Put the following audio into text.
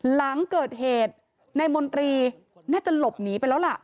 หลังเกิดเหตุนายมนตรีน่าจะหลบหนีไปแล้วล่ะ